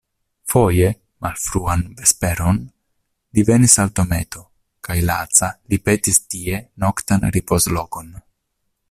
Foje, malfruan vesperon, li venis al dometo, kaj laca li petis tie noktan ripozlokon.